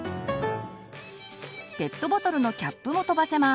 ペットボトルのキャップも飛ばせます。